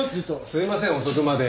すいません遅くまで。